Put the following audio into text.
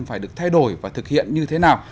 phải được thay đổi và thực hiện như thế nào